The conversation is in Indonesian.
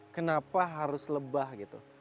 kenapa harus lebah gitu